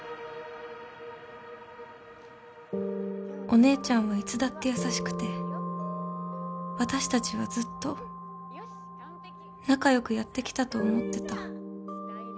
お姉ちゃんはいつだって優しくて私たちはずっと仲良くやってきたと思ってた。